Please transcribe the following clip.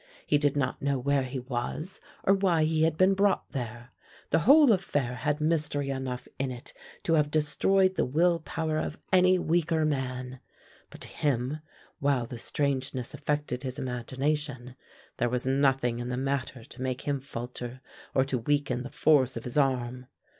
He did not know where he was or why he had been brought there. The whole affair had mystery enough in it to have destroyed the will power of any weaker man; but to him, while the strangeness affected his imagination, there was nothing in the matter to make him falter or to weaken the force of his arm.